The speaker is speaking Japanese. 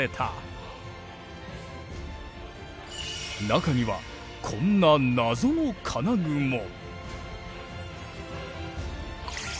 中にはこんな謎の金具も！